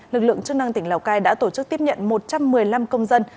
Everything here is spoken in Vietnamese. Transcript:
lực lượng chức năng tỉnh lào cai đã tổ chức tiếp nhận một trăm một mươi năm công dân